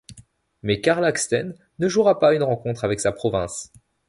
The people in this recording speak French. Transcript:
Mais Carl Axtens ne jouera pas une rencontre avec sa province.